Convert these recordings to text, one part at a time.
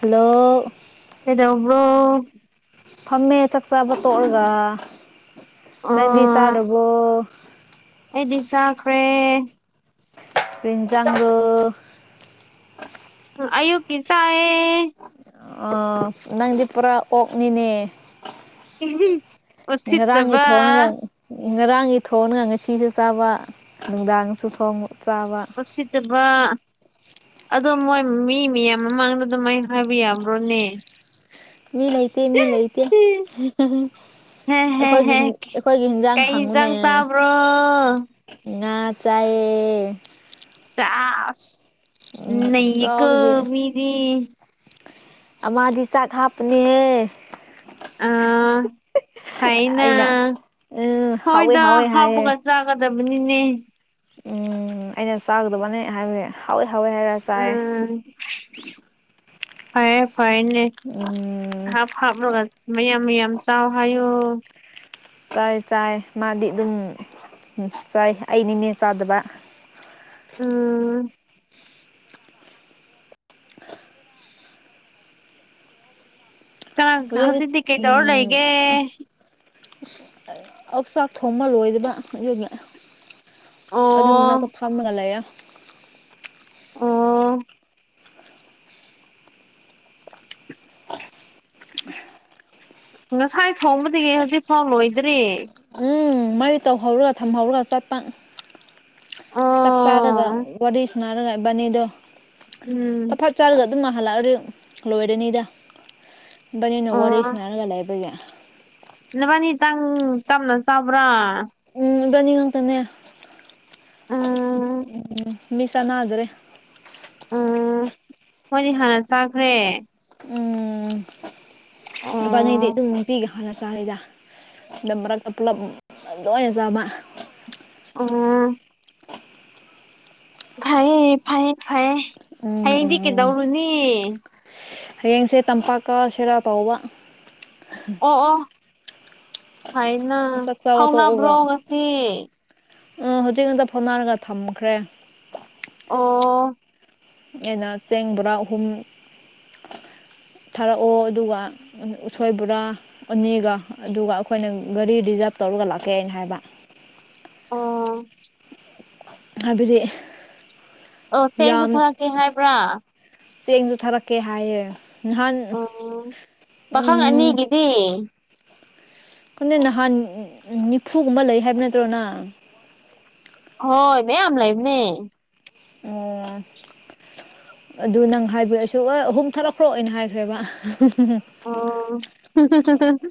Hello ꯀꯩꯗꯧꯕ꯭ꯔꯣ ꯐꯝꯃꯦ ꯆꯥꯛ ꯆꯥꯕ ꯇꯣꯛꯑꯒ ꯅꯪꯗꯤ ꯑꯣ ꯆꯥꯗ꯭ꯔꯕꯣ ꯑꯩꯗꯤ ꯆꯥꯈ꯭ꯔꯦ ꯍꯤꯟꯖꯥꯡꯗꯗꯨ ꯑꯌꯨꯛꯀꯤ ꯆꯥꯏꯌꯦ ꯑ ꯅꯪꯗꯤ ꯄꯨꯔꯥ ꯑꯣꯛꯅꯤꯅꯦ ꯎꯝ ꯍꯨꯝ ꯉꯔꯥꯡꯒꯤ ꯎꯁꯤꯠꯇꯕꯥ ꯊꯣꯡꯔꯒ ꯉꯔꯥꯡꯒꯤ ꯊꯣꯡꯒ ꯉꯁꯤꯁꯨ ꯆꯥꯕ ꯅꯨꯡꯗꯥꯡꯁꯨ ꯊꯣꯡ ꯆꯥꯕ ꯄꯨꯁꯤꯗꯕꯥ ꯑꯗꯣ ꯃꯣꯏ ꯃꯤ ꯃꯌꯥꯝ ꯃꯃꯥꯡꯗ ꯑꯗꯨꯃꯥꯏꯅ ꯍꯥꯏꯕ ꯌꯥꯕ꯭ꯔꯣꯅꯦ ꯃꯤ ꯅꯍꯇꯦ ꯃꯤ ꯅꯇꯦ ꯍꯦ ꯍꯦ ꯑꯩꯈꯣꯏꯒꯤ ꯍꯦ ꯍꯤꯟ ꯑꯩꯈꯣꯏꯒꯤꯍꯦꯟꯖꯥꯡ ꯀꯩ ꯍꯪꯉꯨꯅꯦ ꯏꯟꯖꯥꯡ ꯆꯥꯕ꯭ꯔꯣ ꯉꯥ ꯆꯥꯏꯌꯦ ꯆꯥꯁ ꯎꯝ ꯅꯩꯌꯦꯀꯣ ꯆꯥꯕꯒꯤ ꯃꯤꯗꯤ ꯑꯃꯥꯗꯤ ꯆꯥꯛ ꯍꯥꯞꯄꯅꯦꯍꯦ ꯑ ꯍꯥꯏꯅ ꯑꯩꯅ ꯎꯝ ꯍꯥꯎꯋꯦ ꯍꯣꯏꯗꯥ ꯍꯥꯎꯋꯦ ꯍꯥꯏꯌꯦ ꯍꯥꯞꯄꯒ ꯆꯥꯒꯗꯕꯅꯤꯅꯦ ꯎꯝ ꯑꯩꯅ ꯆꯥꯒꯗꯕꯅꯦ ꯍꯥꯏꯝꯅꯦ ꯍꯥꯎꯋꯦ ꯍꯥꯎꯋꯦ ꯍꯥꯏꯔ ꯆꯥꯏꯌꯦ ꯎꯝ ꯐꯔꯦ ꯐꯔꯅꯦ ꯎꯝ ꯍꯥꯞꯂꯣꯒ ꯃꯌꯥꯝ ꯃꯌꯥꯝ ꯆꯥꯎ ꯍꯥꯏꯌꯣ ꯆꯥꯏ ꯆꯥꯏ ꯃꯥꯗꯤ ꯑꯗꯨꯝ ꯆꯥꯏ ꯑꯩꯅꯤꯅꯦ ꯆꯥꯗꯕ ꯎꯝ ꯀꯅꯥ ꯍꯧꯖꯤꯛ ꯍꯧꯖꯤꯛꯇꯤ ꯀꯩꯗꯧꯔ ꯂꯩꯒꯦ ꯎꯝ ꯑꯣꯆꯥꯛ ꯊꯣꯡꯕ ꯂꯣꯏꯕꯗ ꯑꯗꯨꯒꯤ ꯑꯗꯨꯒꯤ ꯑꯣ ꯃꯅꯥꯛꯇ ꯐꯝꯃꯒ ꯂꯩꯌꯦ ꯑꯣ [unintelligible] ꯉꯁꯥꯏ ꯊꯥꯎꯕꯗꯒꯤ ꯍꯧꯖꯤꯛꯐꯥꯎ ꯂꯣꯏꯗ꯭ꯔꯤ ꯃꯥꯥꯏ ꯇꯧꯍꯧꯔꯒ ꯊꯝꯍꯧꯔꯒ ꯆ ꯆꯥꯛ ꯆꯥꯔꯒ ꯑꯣ ꯋꯥꯔꯤ ꯉꯔꯥꯡ ꯏꯕꯥꯟꯅꯤꯗꯣ ꯎꯝ ꯈꯠ ꯆꯥꯔꯒ ꯑꯗꯨꯝ ꯍꯜꯂꯛꯑꯔ ꯂꯣꯏꯔꯅꯤꯗ ꯕꯅꯤꯅ ꯋꯥꯔꯤ ꯁꯥꯟꯅꯔꯒ ꯂꯩꯕꯒꯤ ꯅꯕꯥꯅꯤ ꯇꯪ ꯇꯞꯅ ꯆꯥꯕ꯭ꯔꯥ ꯎꯝ ꯏꯕꯥꯅꯤ ꯉꯥꯛꯇꯅꯦ ꯎꯝ ꯎꯝ ꯃꯤꯁꯥꯅꯥꯖꯔꯦ ꯎꯝ ꯃꯣꯏꯗꯤ ꯍꯥꯟꯅ ꯆꯥꯈ꯭ꯔꯦ ꯎꯝ ꯑ ꯏꯕꯥꯅꯤꯗꯤ ꯑꯗꯨꯝ ꯅꯨꯡꯇꯤꯒꯤ ꯍꯥꯟꯅ ꯆꯥꯌꯦꯗ ꯑꯗꯨꯅ ꯃꯔꯛꯇ ꯄꯨꯜꯂꯞ ꯂꯣꯏꯅ ꯆꯥꯕ ꯑꯣ ꯐꯩꯌꯦ ꯐꯩꯌꯦ ꯐꯩꯌꯦ ꯎꯝ ꯍꯌꯦꯡꯗꯤ ꯎꯝ ꯎꯝ ꯀꯩꯗꯧꯔꯨꯅꯤ ꯍꯌꯦꯡꯁꯦ ꯇꯝꯄꯥꯛ ꯀꯥꯁꯤꯔꯥ ꯇꯧꯕ ꯑꯣ ꯑꯣ ꯍꯥꯏꯅ ꯆꯥꯛ ꯆꯥꯕ ꯇꯣꯛꯑꯒ ꯐꯥꯎꯅꯕ꯭ꯔꯣ ꯉꯁꯤ ꯎꯝ ꯍꯧꯖꯤꯛ ꯍꯛꯇ ꯐꯥꯎꯅꯔꯒ ꯊꯝꯈ꯭ꯔꯦ ꯑꯣ ꯑꯩꯅ ꯆꯦꯡ ꯕꯣꯔꯥ ꯑꯍꯨꯝ ꯊꯥꯔꯛꯑꯣ ꯑꯗꯨꯒ ꯎꯝ ꯎꯁꯣꯏꯕꯨꯔꯥ ꯑꯅꯤꯒ ꯑꯗꯨꯒ ꯑꯩꯈꯣꯏꯅ ꯒꯥꯔꯤ ꯔꯤꯖꯥꯕ ꯇꯧꯔꯒ ꯂꯥꯛꯀꯦ ꯍꯥꯏꯅ ꯍꯥꯏꯕ ꯑꯣ ꯑꯗꯨꯗꯤ ꯑꯣ ꯆꯦꯡꯁꯨ ꯊꯥꯔꯛꯀꯦ ꯍꯥꯏꯕ꯭ꯔꯥ ꯆꯦꯡꯁꯨ ꯊꯥꯔꯛꯀꯦ ꯍꯥꯏꯌꯦ ꯅꯍꯥꯟ ꯎꯝ ꯗꯤ [unintelligible] ꯈꯪꯗꯦ ꯅꯍꯥꯟ ꯅꯤꯐꯨꯒꯨꯝꯕ ꯂꯩ ꯍꯥꯏꯕ ꯅꯠꯇ꯭ꯔꯣ ꯅꯪ ꯍꯣꯏ ꯃꯌꯥꯝ ꯂꯩꯕꯅꯦ [unintelligible] ꯑꯗꯨ ꯅꯪ ꯍꯥꯏꯕꯤꯔꯛꯁꯨ ꯍ ꯑꯍꯨꯝ ꯊꯥꯂꯛꯈ꯭ꯔꯣ ꯑꯣꯏꯅ ꯍꯥꯏꯈ꯭ꯔꯦꯕ ꯑꯣ ꯍ ꯍ ꯍ ꯍ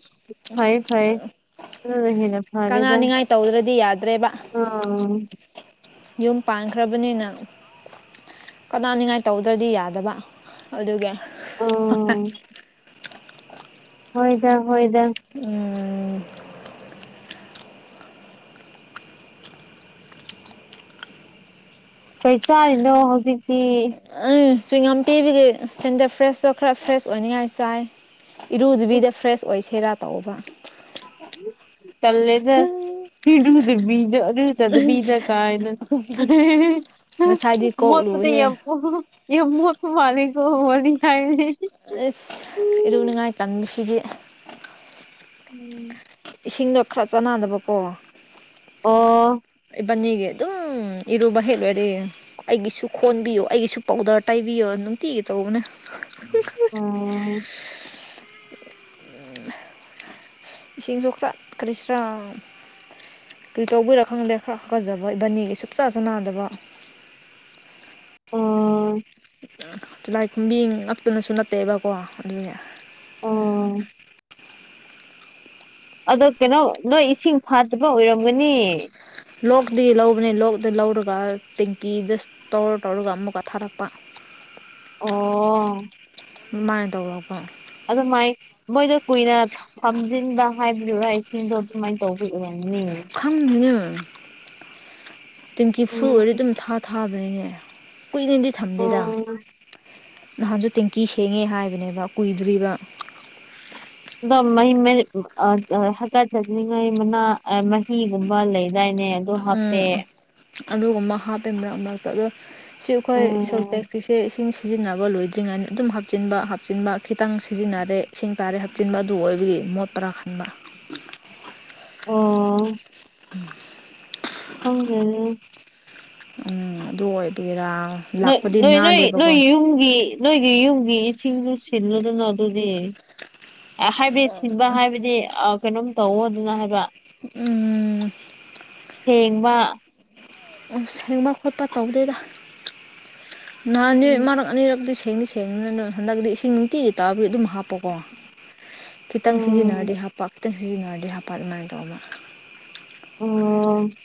ꯐꯩ ꯐꯩ ꯑ ꯍꯅ ꯐꯥꯔꯦꯗ ꯀꯅꯥꯅꯤꯡꯉꯥꯏ ꯇꯧꯗ꯭ꯔꯗꯤ ꯌꯥꯗ꯭ꯔꯦꯕ ꯑ ꯌꯨꯝ ꯄꯥꯟꯈ꯭ꯔꯕꯅꯤꯅ ꯀꯥꯟꯅꯅꯤꯡꯉꯥꯏ ꯇꯧꯗ꯭ꯔꯗꯤ ꯌꯥꯗꯕ ꯑꯗꯨꯒꯤ ꯍ ꯍ ꯑꯥ ꯍꯣꯏꯗ ꯍꯣꯏꯗ ꯎꯝ ꯀꯩ ꯆꯥꯔꯤꯅꯣ ꯍꯧꯖꯤꯛꯇꯤ ꯑ ꯆꯨꯏꯒꯝ ꯄꯤꯕꯒꯤ ꯁꯦꯟꯗꯐ꯭ꯔꯦꯁꯇꯣ ꯈꯔ ꯐ꯭ꯔꯦꯁ ꯑꯣꯏꯅꯉꯥꯏ ꯆꯥꯏ꯫ ꯏꯔꯨꯗꯨꯕꯤꯗ ꯐ꯭ꯔꯦꯁ ꯏꯁ ꯑꯣꯏꯁꯦꯔꯥ ꯇꯧꯕ꯫ ꯇꯜꯂꯦꯗ ꯏꯔꯨꯖꯕꯤꯒ꯫ ꯏꯔꯨꯖꯗꯕꯤꯗ ꯀꯥꯥꯏꯅ ꯉꯁꯥꯏꯗꯤ [unintelligible] ꯀꯣꯛ ꯃꯣꯠꯄꯗꯣ ꯂꯨꯍꯦ ꯌꯥꯝ [unintelligible] ꯌꯥꯝ ꯃꯣꯠꯄ ꯃꯥꯜꯂꯦ ꯀꯣ ꯋꯥꯔꯤ ꯍꯥꯏ [unintelligible] ꯑꯩꯁ ꯏꯔꯨꯅꯤꯉꯥꯏ ꯇꯟꯕꯁꯤꯗꯤ꯫ ꯎꯝ ꯏꯁꯤꯡꯗꯣ ꯈꯔ ꯆꯥꯟꯅꯗꯕꯀꯣ꯫ ꯑꯣ ꯏꯕꯥꯟꯅꯤꯒꯤ ꯑꯗꯨꯝ ꯏꯔꯨꯕ ꯍꯦꯛꯂꯣꯏꯔꯦ ꯑꯩꯒꯤꯁꯨ ꯈꯣꯟꯕꯤꯌꯨ ꯑꯩꯒꯤꯁꯨ ꯄꯥꯎꯗꯔ ꯄꯥꯏꯕꯤꯌꯣ ꯑꯗꯨꯅꯨꯡꯇꯤꯒꯦ ꯇꯧꯕꯅꯦ꯫ [unintelligible] ꯏꯁꯤꯡꯖꯨꯈꯔ ꯀꯔꯤꯁꯤꯔꯥ ꯀꯔꯤ ꯇꯧꯕꯩꯔꯥ ꯈꯪꯗꯦ ꯈꯔ ꯈꯀꯠꯆꯕ ꯏꯕꯥꯅꯤꯒꯤ ꯁꯨꯡꯆꯥꯥꯟ ꯆꯥꯅꯗꯕ꯫ [unintelligible] ꯇꯤꯂꯥꯏ ꯈꯨꯝꯕꯤ ꯉꯥꯛꯛꯇꯅꯁꯨ ꯅꯠꯇꯦꯕꯀꯣ ꯑꯗꯨꯅꯦ꯫ ꯎꯝ ꯑꯗꯣ ꯀꯩꯅꯣ ꯅꯣꯏ ꯏꯁꯤꯡ ꯐꯥꯗꯕ ꯑꯣꯏꯔꯝꯒꯅꯤ꯫ ꯂꯣꯛꯗꯩ ꯂꯧꯕꯅꯦ ꯂꯣꯛꯗ ꯂꯧꯔꯒ ꯇꯦꯡꯀꯤꯗ ꯁ꯭ꯇꯣꯔ ꯇꯧꯔꯒ ꯑꯃꯨꯛꯀ ꯊꯥꯔꯛꯄ꯫ ꯑꯣ ꯑꯗꯨꯃꯥꯏꯅ ꯇꯧꯔꯒ ꯑꯗꯨꯃꯥꯏ ꯃꯣꯏꯗꯣ ꯀꯨꯏꯅ ꯍꯥꯝꯖꯤꯟꯕ ꯍꯥꯏꯕꯤꯥ ꯏꯁꯤꯡꯗꯣ ꯑꯗꯨꯃꯥꯏꯅ ꯇꯧꯕꯤꯔꯅꯦ꯫ ꯎꯈꯪꯅ ꯇꯦꯡꯀꯤ ꯐꯨ ꯑꯣꯏꯔ ꯑꯗꯨꯝ ꯊꯥ ꯊꯥꯒ꯭ꯔꯦꯅꯦ ꯀꯨꯏꯅꯗꯤ ꯊꯝꯗꯦꯗ꯫ ꯅꯍꯥꯟꯖꯨ ꯇꯦꯡꯀꯤ ꯁꯦꯡꯉꯦ ꯍꯥꯏꯕꯅꯦꯕ ꯀꯨꯏꯗ꯭ꯔꯤꯕ꯫ ꯑꯗꯣ [unintelligible] ꯍꯀꯥ ꯆꯗꯤꯉꯥꯏ ꯃꯃꯥ ꯑ ꯃꯍꯤꯒꯨꯝꯕ ꯂꯩꯗꯥꯏꯅꯦ꯫ ꯑꯗꯨ ꯍꯥꯞꯄꯦ ꯎꯝ ꯑꯗꯨꯒꯨꯝꯕ ꯍꯥꯞꯄꯦ ꯃꯔꯛ ꯃꯔꯛꯇ ꯑꯗꯣ ꯁꯤ ꯑꯩꯈꯣꯏ ꯎꯝ ꯁꯣꯜꯇꯦꯛꯀꯤꯁꯤ ꯏꯁꯤꯡ ꯁꯤꯖꯤꯟꯅꯕ ꯂꯣꯏꯗ꯭ꯔꯤꯉꯩꯗ ꯑꯗꯨꯝ ꯍꯥꯞꯆꯤꯟꯕ ꯍꯥꯞꯆꯤꯟꯕ ꯈꯤꯇꯪ ꯁꯤꯖꯤꯟꯅꯔꯦ ꯏꯁꯤꯡ ꯇꯥꯔꯦ ꯆꯨꯝꯅ ꯑꯗꯨ ꯑꯣꯏꯕꯒꯤ ꯃꯣꯠꯇꯔꯥ ꯈꯟꯕ꯫ ꯑꯣ ꯈꯪꯗꯦꯅꯦ꯫ ꯎꯝ ꯑꯗꯨ ꯑꯣꯏꯗꯣꯏꯔꯥ꯫ ꯅꯣꯏ ꯅꯣꯏ ꯅꯣꯏ ꯅꯣꯏ ꯌꯨꯝꯒꯤ ꯅꯣꯏꯒꯤ ꯌꯨꯝꯒꯤ ꯏꯁꯤꯡꯗꯨ ꯁꯤꯜꯂꯨꯗꯅ ꯑꯗꯨꯗꯤ ꯍꯥꯏꯕꯦꯠ ꯁꯤꯟꯕ ꯍꯥꯏꯕꯗꯤ ꯀꯩꯅꯣꯝ ꯇꯧꯋ ꯑꯗꯨꯅ ꯍꯥꯏꯕ꯫ ꯍꯨꯝꯎꯝ ꯁ‌ꯦꯡꯕ ꯁꯦꯡꯕ ꯈꯣꯠꯄ ꯇꯧꯗꯦꯗ ꯅꯍꯥꯟꯅꯤ ꯎꯝ ꯃꯔꯛ ꯑꯅꯤꯔꯛꯇ ꯁꯦꯡꯃꯤꯁꯤ ꯊꯦꯡꯕꯅꯤꯅ ꯑꯗꯨꯝ ꯍꯟꯗꯛꯇꯗꯤ ꯏꯁꯤꯡ ꯅꯨꯡꯇꯤꯒꯤ ꯇꯥꯔꯗꯤ ꯑꯗꯨꯝ ꯍꯥꯞꯄꯀꯣ꯫ ꯈꯤꯇꯪ ꯎꯝ ꯁꯤꯖꯤꯟꯅꯔꯗꯤ ꯍꯥꯄꯛ ꯈꯤꯇꯪ ꯁꯤꯖꯤꯟꯅꯔꯗꯤ ꯍꯥꯄꯛ ꯑꯗꯨꯃꯥꯏꯅ ꯇꯧꯕ꯫ ꯑꯣ ꯎꯝ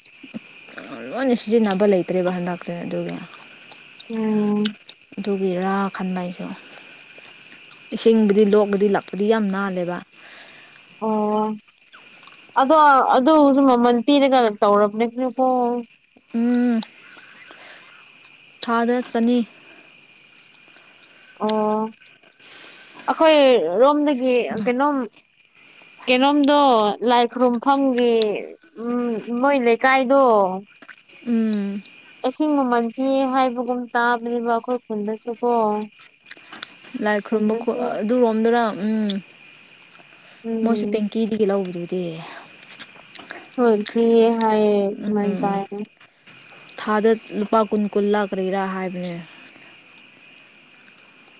ꯂꯣꯏꯅ ꯁꯤꯖꯤꯟꯅꯕ ꯂꯩꯇ꯭ꯔꯦꯕ ꯍꯟꯗꯛꯇ ꯑꯗꯨꯒꯤ ꯎꯝ ꯑꯗꯨꯒꯤꯔꯥ ꯈꯟꯕ ꯑꯩꯁꯨ ꯏꯁꯤꯡꯕꯨꯗꯤ ꯂꯣꯛꯒꯗꯤ ꯂꯞꯄꯗꯤ ꯌꯥꯝ ꯅꯥꯜꯂꯦꯕ꯫ ꯑꯣ ꯑꯗꯣ ꯑꯗꯨꯁꯨ ꯃꯃꯜ ꯄꯤꯔꯒ ꯇꯧꯔꯕꯅꯦ ꯀꯅꯀꯣ꯫ ꯎꯝ ꯊꯥꯗ ꯆꯅꯤ ꯑꯣ ꯑꯩꯈꯣꯏ ꯔꯣꯝꯗꯒꯤ ꯀꯩꯅꯣꯝ꯫ ꯀꯩꯅꯣꯝꯗꯣ ꯂꯥꯏ ꯈꯨꯔꯨꯝꯐꯝꯒꯤ꯫ ꯎꯝ ꯃꯣꯏ ꯂꯩꯀꯥꯏꯗꯣ꯫ ꯎꯝ ꯏꯁꯤꯡ ꯃꯃꯟꯒꯦ ꯍꯥꯏꯕꯒꯨꯝ ꯇꯥꯕꯅꯦꯕ ꯑꯩꯈꯣꯏ ꯈꯨꯟꯗꯁꯨ ꯀꯣ ꯂꯥꯏ ꯈꯨꯔꯨꯝꯕ ꯑꯗꯨꯔꯣꯝꯗꯨꯅ ꯎꯝ ꯃꯣꯏꯁꯨ ꯎꯝ ꯇ‌ꯦꯡꯀꯤꯗꯒꯤ ꯂꯧꯕꯗꯨꯗꯤ ꯍꯣꯏ ꯄ ꯑꯦ ꯍꯥꯏꯌꯦ ꯑꯗꯨꯃꯥꯏ ꯇꯥꯏ ꯊꯥꯗ ꯂꯨꯄꯥ ꯀꯨꯟ ꯀꯨꯟ ꯂꯥ ꯀꯔꯤꯔꯥ ꯍꯥꯏꯕꯅꯦ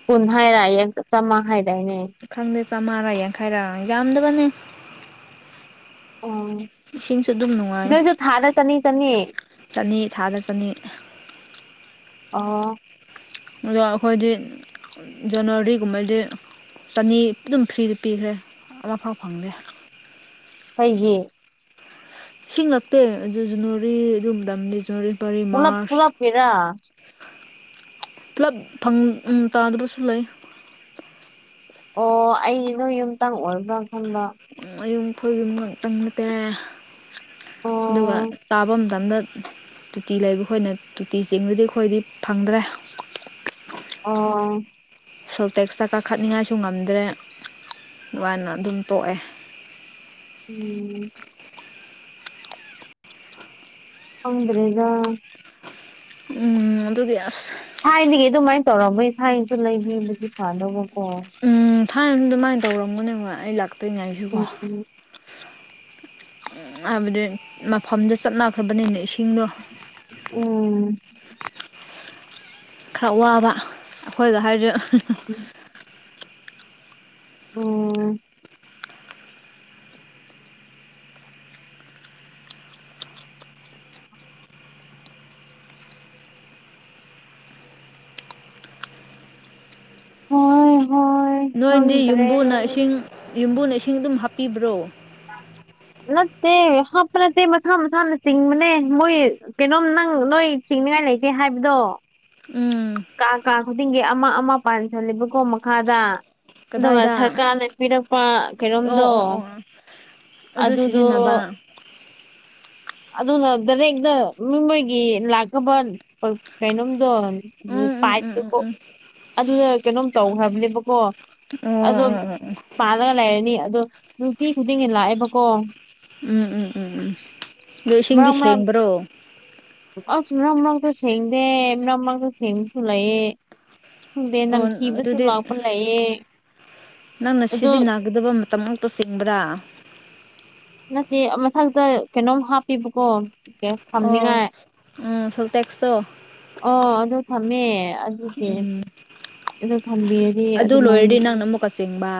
ꯀꯨꯟ ꯍꯥꯏꯔꯌꯦ ꯂꯨꯄ ꯆꯥꯝꯃ ꯍꯥꯏꯗꯥꯏꯅꯦ ꯈꯪꯗꯦ ꯆꯥꯝꯃꯔꯥ ꯌꯥꯡꯈꯩꯔꯥ ꯌꯥꯝꯗꯕꯅꯦ ꯑꯥ ꯏꯁꯤꯡꯁꯨ ꯑꯗꯨꯝ ꯅꯨꯡꯉꯥꯏ ꯅꯣꯏꯁꯨ ꯊꯥꯗ ꯆꯅꯤ ꯆꯅꯤ ꯆꯅꯤ ꯊꯥꯗ ꯆꯅꯤ ꯑꯣ ꯑꯗ ꯑꯩꯈꯣꯏꯗꯤ ꯖꯅꯋꯥꯔꯤꯒꯨꯝꯕꯗꯤ ꯆꯅꯤ ꯑꯗꯨꯝ ꯐ꯭ꯔꯤꯗ ꯄꯤꯈ꯭ꯔꯦ ꯑꯃꯐꯥꯎ ꯐꯪꯗꯦ ꯑꯩꯩꯒꯤ ꯏꯁꯤꯡ ꯂꯞꯇꯦ ꯑꯗꯨ ꯖꯤꯅꯣꯔꯤ ꯑꯗꯨꯗꯥꯝꯅꯤ ꯖꯤꯅꯣꯔꯤ ꯄꯨꯂꯞ ꯄꯨꯂꯄ ꯀꯤꯔꯥ ꯄꯨꯂꯞ ꯐꯪ ꯆꯥꯗꯕꯁꯨ ꯂꯩ ꯑꯣ ꯑꯩ ꯅꯣꯏ ꯌꯨꯝꯇꯪ ꯑꯣꯏꯕ꯭ꯔꯥ ꯈꯪꯕ꯭ꯔ ꯃꯌꯨꯝ ꯈꯣꯏꯒꯤ ꯉꯥꯛꯇꯪ ꯅꯠꯇꯦ ꯑꯗꯨꯒ ꯑꯣ ꯇꯥꯐꯝ ꯃꯇꯝꯗ ꯇꯨꯇꯤ ꯂꯩꯕꯈꯣꯏꯅ ꯇꯣꯇꯤ ꯆꯤꯡꯕꯗꯤ ꯑꯩꯈꯣꯏꯗꯤ ꯐꯪꯗ꯭ꯔꯦ ꯑꯣ ꯁꯤꯜꯇꯦꯛꯁꯇ ꯀꯥꯈꯠꯅꯤꯉꯥꯏꯁꯨ ꯉꯝꯗ꯭ꯔꯦꯅ ꯑꯗꯨꯝꯃꯥꯏꯅ ꯑꯗꯨꯝ ꯇꯣꯛꯑꯦ ꯎꯝ ꯈꯪꯗ꯭ꯔꯦꯗꯥ ꯎꯝ ꯑꯗꯨꯒꯤ ꯑꯁ ꯊꯥꯏꯅꯗꯒꯤ ꯑꯗꯨꯃꯥꯏꯅ ꯇꯧꯔꯝꯕꯣꯏ ꯊꯥꯏꯅꯁꯨ ꯂꯩꯕꯤꯕꯨꯗꯤ ꯐꯥꯗꯧꯕꯀꯣ ꯎꯝ ꯊꯥꯏꯅ ꯑꯗꯨꯃꯥꯏꯅ ꯇꯧꯔꯝꯒꯣꯅꯦ ꯃꯣꯏ ꯑꯩ ꯂꯥꯛꯇꯣꯏꯉꯥꯏꯁꯤꯀꯣ ꯎꯝ ꯍꯥꯏꯕꯗꯤ ꯃꯐꯝꯗ ꯆꯞꯅꯈ꯭ꯔꯕꯅꯤꯅ ꯏꯁꯤꯡꯗꯣ ꯎꯝ ꯈꯔ ꯋꯥꯕ ꯑꯩꯈꯣꯏꯗ ꯍꯥꯏꯔꯁꯨ ꯑꯣ ꯍꯣꯏ ꯍꯣꯏ ꯅꯣꯏꯗꯤ ꯈꯪꯗ꯭ꯔꯦ ꯌꯨꯝꯕꯨꯅ ꯏꯁꯤꯡ ꯌꯨꯝꯕꯨꯅ ꯏꯁꯤꯡ ꯑꯗꯨꯝ ꯍꯥꯞꯄꯤꯕ꯭ꯔꯣ ꯅꯠꯇꯦ ꯍꯥꯞꯄ ꯅꯠꯇꯦ ꯃꯁꯥ ꯃꯁꯥꯅ ꯆꯤꯡꯕꯅꯦ ꯃꯣꯏ ꯀꯩꯅꯣꯝ ꯅꯪ ꯅꯣꯏ ꯆꯤꯡꯅꯤꯉꯥꯏ ꯂꯩꯇꯦ ꯍꯥꯏꯕꯗꯣ ꯎꯝ ꯀꯥ ꯀꯥ ꯈꯨꯗꯤꯡꯒꯤ ꯑꯃ ꯑꯃ ꯄꯥꯟꯁꯜꯂꯦꯕꯀꯣ ꯃꯈꯥꯗ ꯑꯗꯨꯒ ꯀꯗꯥꯏꯗ ꯁꯔꯀꯥꯔꯅ ꯄꯤꯔꯛꯄ ꯀꯩꯅꯣꯝꯗꯣ ꯑꯣ ꯑꯣ ꯑꯣ ꯑꯗꯨ ꯑꯗꯨꯗꯣ ꯁꯤꯖꯤꯟꯅꯕ ꯑꯗꯨꯅ ꯗꯥꯏꯔꯦꯛꯇ ꯃꯤ ꯃꯣꯏꯒꯤ ꯂꯥꯛꯀꯕ ꯀꯩꯅꯣꯝꯗꯣ ꯎꯝ ꯎꯝ ꯎꯝ ꯎꯝ ꯄꯥꯏꯞꯇꯣ ꯎꯝ ꯑꯗꯨꯗ ꯀꯩꯅꯣꯝ ꯇꯧꯈ꯭ꯔꯕꯅꯦꯕꯀꯣ ꯑꯣ ꯑꯣ ꯑꯗꯣ ꯑꯣ ꯄꯥꯜꯂꯒ ꯂꯩꯔꯅꯤ ꯑꯗꯣ ꯅꯨꯡꯇꯤ ꯈꯨꯗꯤꯡꯒꯤ ꯂꯥꯛꯑꯦꯕꯀꯣ ꯎꯝ ꯎꯝ ꯎꯝ ꯎꯝ ꯑꯗꯣ ꯏꯁꯤꯡꯗꯤ ꯃꯔꯛ ꯃꯔꯛ ꯁꯦꯡꯕ꯭ꯔꯣ ꯑꯁ ꯃꯔꯛ ꯃꯔꯛꯇ ꯁꯦꯡꯗꯦ ꯃꯔꯛ ꯃꯔꯛꯇ ꯁꯦꯡꯕꯁꯨ ꯂꯩꯑ ꯈꯪꯗꯦ ꯑꯣ ꯅꯪ ꯊꯤꯕꯁꯨ ꯑꯗꯨꯗꯤ ꯂꯥꯛꯄ ꯂꯩꯌꯦ ꯑꯗꯣ ꯆꯒꯗꯕ ꯃꯇꯝꯃꯥꯎꯛꯇ ꯆꯤꯡꯕ꯭ꯔꯥ ꯅꯠꯇꯦ ꯃꯊꯛꯇ ꯀꯩꯅꯣꯝ ꯍꯥꯞꯄꯤꯕꯀꯣ ꯑꯣ ꯎꯝ ꯁꯦꯟꯇꯦꯛꯁꯇꯣ ꯑꯣ ꯑꯗꯨ ꯊꯝꯃꯦ ꯎꯝ ꯑꯗꯣ ꯊꯝꯕꯤꯔꯗꯤ ꯑꯗꯨ ꯑꯗꯨꯃꯥꯏ ꯂꯣꯏꯔꯗꯤ ꯅꯪꯅ ꯑꯃꯨꯛꯀ ꯆꯤꯡꯕ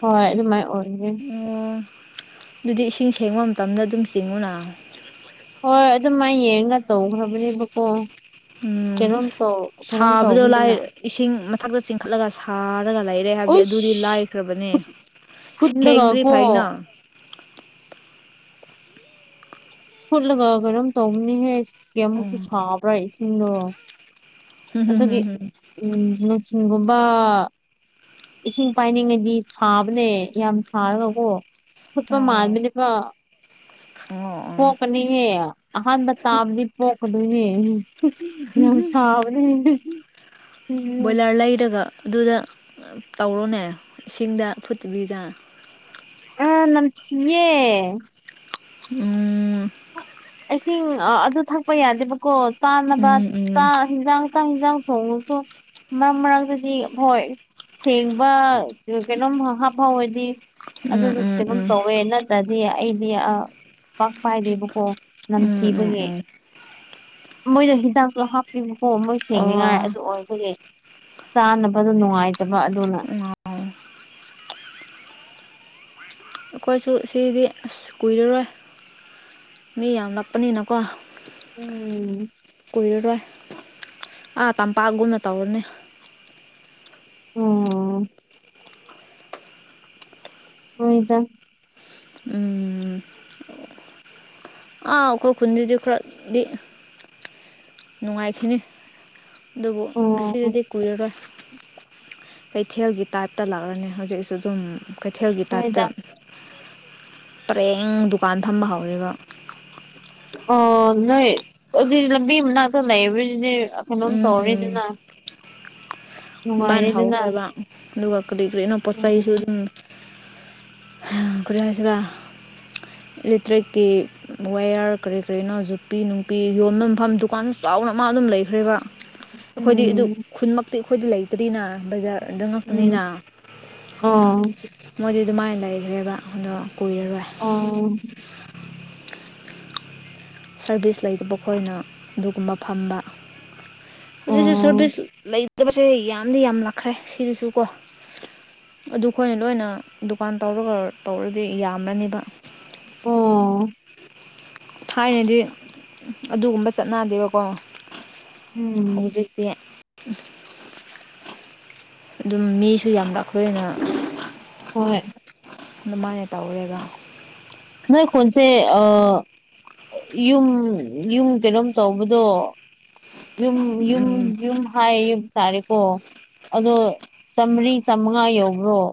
ꯍꯣꯏ ꯑꯗꯨꯃꯥꯏꯅ ꯑꯣꯏꯒꯅꯤ ꯑꯣ ꯑꯗꯨꯗꯤ ꯏꯁꯤꯡ ꯁꯦꯡꯕ ꯃꯇꯝꯗ ꯑꯗꯨꯝ ꯆꯤꯡꯉꯨꯅ ꯍꯣꯏ ꯑꯗꯨꯝ ꯃꯥꯥꯏ ꯌꯦꯡꯒ ꯇꯧꯈ꯭ꯔꯕꯅꯦꯕꯀꯣ ꯎꯝ ꯀꯩꯅꯣꯝ ꯇꯧ ꯀꯩꯅꯣꯝ ꯁꯥꯕꯗꯣ ꯂꯥꯏ ꯇꯧꯕꯅꯤꯅ ꯏꯁꯤꯡ ꯃꯊꯛꯇ ꯆꯤꯡꯈꯠꯂꯒ ꯁꯥꯔꯒ ꯂꯩꯔꯦ ꯍꯥꯏꯕꯗꯤ ꯑꯗꯨꯗꯤ ꯂꯥꯏ ꯎꯁ ꯈ꯭ꯔꯕꯅꯦ ꯐꯨꯠ ꯐꯨꯠꯂꯒ ꯁꯦꯡꯗ꯭ꯔꯤ ꯀꯣ ꯐꯩꯅ [unintelligible] ꯐꯨꯠꯂꯒ ꯀꯩꯅꯣꯝ ꯇꯧꯕꯅꯤꯍꯦ ꯎꯝ ꯀꯦꯃꯨꯛꯁꯨ ꯁꯥꯕ꯭ꯔꯥ ꯏꯁꯤꯡꯗꯣ ꯍꯝ ꯍꯝ ꯑꯗꯨꯒꯤ ꯍꯝ [unintelligible] ꯅꯣꯆꯤꯟꯒꯨꯝꯕ ꯏꯁꯤꯡ ꯄꯥꯏꯅꯤꯡꯉꯗꯤ ꯁꯥꯕꯅꯦ ꯌꯥꯝ ꯁꯥꯔꯒꯀꯣ ꯐꯨꯠꯄ ꯍꯝ ꯑꯣ ꯃꯥꯟꯕꯅꯦꯄ ꯑꯣ ꯑꯣ ꯄꯣꯛꯀꯅꯤꯍꯦ ꯑꯍꯥꯟꯕ ꯇꯥꯕꯗꯤ ꯄꯣꯛꯀꯗꯣꯏꯅꯦ [unintelligible] ꯌꯥꯝ__ ꯁꯥꯕꯅꯤ__ [unintelligible] [unintelligible] ꯕꯣꯏꯂꯔ ꯂꯩꯔꯒ ꯑꯗꯨꯗ ꯇꯧꯔꯣꯅꯦ ꯏꯁꯤꯡꯗ ꯐꯨꯠꯇꯕꯤꯗ ꯃꯅꯝ ꯅꯝꯊꯤꯌ‌ꯦ ꯎꯝ ꯏꯁꯤꯡ ꯑꯗꯨ ꯊꯛꯄ ꯌꯥꯗꯦꯕꯀꯣ ꯆꯥꯅꯕ ꯎꯝ ꯎꯝ ꯆꯥꯛ ꯍꯟꯖꯥꯡ ꯆꯥꯛ ꯌꯦꯟꯖꯥꯡ ꯊꯣꯡꯉꯁꯨ ꯃꯔꯛ ꯃꯔꯛꯇꯗꯤ ꯍꯣꯏ ꯁꯦꯡꯕ ꯀꯩꯅꯣꯝ ꯍꯥ ꯍꯥꯞ ꯐꯥꯎ ꯑꯣꯏꯗꯤ ꯎꯝ ꯑꯗꯨꯗꯨ ꯎꯝ ꯀꯩꯅꫭꯝ ꯎꯝ ꯇꯧꯋꯦ ꯅꯠꯇ꯭ꯔꯗꯤ ꯑꯩꯗꯤ ꯑ ꯄꯥꯛ ꯄꯥ ꯏꯗꯦꯕꯀꯣ ꯎꯝ ꯎꯝ ꯅꯝꯊꯤꯕꯒꯤ ꯎꯝ ꯃꯣꯏꯅ ꯍꯤꯗꯥꯛꯁꯨ ꯍꯥꯞꯄꯤꯕꯀꯣ ꯃꯣꯏ ꯁꯦꯡꯅꯤꯡꯉꯥꯏ ꯑꯣ ꯑꯗꯨ ꯑꯣꯏꯕꯒꯤ ꯆꯥꯅꯕꯗꯨ ꯅꯨꯡꯉꯥꯏꯇꯕ ꯑꯗꯨꯅ ꯑꯣ ꯑꯩꯈꯣꯏꯁꯨ ꯁꯤꯗꯤ ꯑꯁ ꯀꯨꯏꯔꯔꯣꯏ ꯃꯤꯌꯥꯝ ꯌꯥꯝꯂꯛꯄꯅꯤꯅꯀꯣ ꯎꯝ ꯀꯨꯏꯔꯔꯣꯏ ꯑꯥ ꯇꯝꯄꯥꯛꯒꯨꯝꯅ ꯇꯧꯔꯅꯤ [unintelligible] ꯍꯣꯏꯗ ꯎꯝ ꯑꯥ ꯑꯩꯈꯣꯏ ꯈꯨꯟꯗꯨꯗꯤ ꯈꯔꯗꯤ ꯅꯨꯡꯉꯥꯏꯈꯤꯅꯤ ꯑꯗꯨꯕꯨ ꯑꯣ ꯑꯁꯤꯗꯗꯤ ꯀꯨꯏꯔꯒ ꯀꯩꯊꯦꯜꯒꯤ ꯇꯥꯏꯞꯇ ꯂꯥꯛꯑꯅꯤ ꯍꯧꯖꯤꯛꯁꯨ ꯑꯗꯨꯝ ꯀꯩꯊꯦꯜꯒꯤ ꯇꯥꯏꯞꯇ ꯍꯣꯏꯗ ꯄꯔꯦꯡ ꯗꯨꯀꯥꯟ ꯐꯝꯕ ꯍꯧꯔꯤꯕ [unintelligible] ꯑꯣ ꯅꯣꯏ ꯑꯗꯨꯗꯤ ꯂꯝꯕꯤ ꯃꯅꯥꯛꯇ ꯂꯩꯕꯔꯖꯤꯗꯤ ꯀꯩꯅꯣꯝ ꯎꯝ ꯇꯧꯔꯤꯗꯅ ꯑꯗꯨꯃꯥꯏꯅ ꯍꯥꯎꯈ꯭ꯔꯕ ꯑꯗꯨꯒ ꯀꯔꯤ ꯀꯔꯤꯅꯣ ꯄꯣꯠ ꯆꯩꯁꯨ ꯎꯝ ꯑꯗꯨꯝ ꯀꯔꯤ ꯍꯥꯏꯁꯤꯔꯥ ꯏꯂꯦꯛꯇ꯭ꯔꯤꯛꯀꯤ ꯋꯦꯌꯥꯔ ꯀꯔꯤ ꯀꯔꯤꯅꯣ ꯖꯛꯄꯤ ꯅꯨꯡꯄꯤ ꯌꯣꯟꯕꯃꯐꯝ ꯗꯨꯀꯥꯟ ꯆꯥꯎꯅ ꯃꯥ ꯑꯗꯨꯝ ꯂꯩꯈ꯭ꯔꯦꯕ ꯑꯩꯈꯣꯏꯗꯤ ꯑꯗꯨ ꯎꯝ ꯈꯨꯟꯃꯛꯇꯤ ꯑꯩꯈꯣꯏꯗꯤ ꯂꯩ ꯇꯔꯤꯅ ꯕꯖꯥꯔꯗ ꯉꯛꯇꯅꯤꯅ ꯎꯝ ꯑꯣ ꯃꯣꯏꯗꯤ ꯑꯗꯨꯃꯥꯏꯅ ꯂꯩꯈ꯭ꯔꯦꯕ ꯑꯗꯣ ꯀꯨꯏꯔꯔꯣꯏ ꯑꫭ ꯁꯔꯚꯤꯁ ꯂꯩꯇꯕ ꯑꯩꯈꯣꯏꯅ ꯑꯗꯨꯒꯨꯝꯕ ꯐꯝꯕ ꯍꯧꯖꯤꯛ ꯍꯧꯖꯤꯛ ꯑꯣ ꯁꯔꯚꯤꯁ ꯂꯩ ꯇꯕꯁꯦ ꯌꯥꯝꯗꯤ ꯌꯥꯝ ꯂꯛꯈ꯭ꯔꯦ ꯁꯤꯗꯁꯨ ꯀꯣ ꯑꯗꯨꯈꯣꯏꯅ ꯂꯣꯏꯅ ꯗꯨꯀꯥꯟ ꯇꯧꯔꯒ ꯇꯧꯔꯗꯤ ꯌꯥꯝꯔꯅꯤꯕ ꯑꯣ ꯊꯥꯏꯅꯗꯤ ꯑꯗꯨꯒꯨꯝꯕ ꯆꯠꯅꯗꯦꯕꯀꯣ ꯎꯝ ꯍꯧꯖꯤꯛ ꯇꯤ ꯑꯗꯨꯝ ꯃꯤꯁꯨ ꯌꯥꯝꯅ ꯂꯥꯛꯄꯅꯤꯅ ꯍꯣꯏ ꯑꯗꯨꯃꯥꯏꯅ ꯇꯧꯔꯦꯒ ꯅ ꯀꯣꯟꯁꯦ ꯑ ꯌꯨꯝ ꯌꯨꯝ ꯀꯩꯅꯣꯝ ꯇꯧꯕꯗꯣ ꯌꯨꯝ ꯌꯨꯝ ꯎꯝ ꯌꯨꯝ ꯍꯥꯏ ꯌꯌꯨꯛ ꯇꯥꯔꯦꯀꯣ ꯑꯗꯣ ꯆꯥꯝꯃꯔꯤ ꯆꯥꯝꯃꯉꯥ ꯌꯧꯕ꯭ꯔꯣ